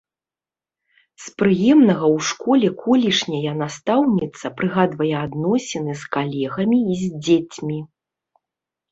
З прыемнага ў школе колішняя настаўніца прыгадвае адносіны з калегамі і з дзецьмі.